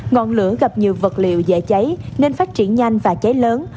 ngọn lửa gặp nhiều vật liệu dễ cháy nên phát triển nhanh và cháy lớn